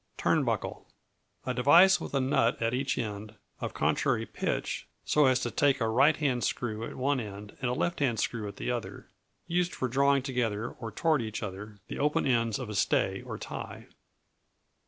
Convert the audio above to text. Turnbuckle A device with a nut at each end, of contrary pitch, so as to take a right hand screw at one end, and a left hand screw at the other; used for drawing together, or toward each other the open ends of a stay, or tie.